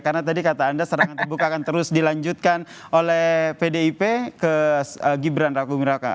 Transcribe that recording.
karena tadi kata anda serangan terbuka akan terus dilanjutkan oleh pdip ke gibran raku miraka